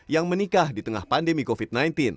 yang menikah di tengah pandemi covid sembilan belas